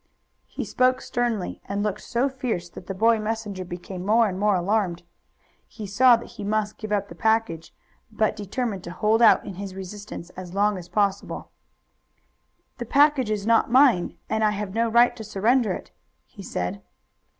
He spoke sternly and looked so fierce that the boy messenger became more and more alarmed. He saw that he must give up the package, but determined to hold out in his resistance as long as possible. "The package is not mine, and I have no right to surrender it," he said.